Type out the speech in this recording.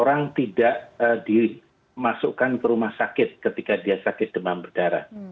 jadi itu tidak dimasukkan ke rumah sakit ketika dia sakit demam berdarah